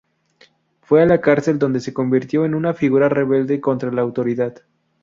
Fue a la cárcel donde se convirtió en una figura rebelde contra la autoridad.